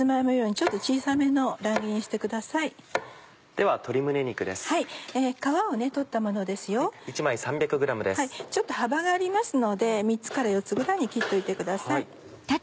ちょっと幅がありますので３つから４つぐらいに切っておいてください。